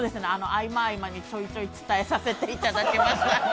合間合間にちょいちょい伝えさせていただきました。